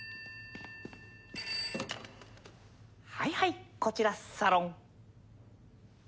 はいはいこちらサロン！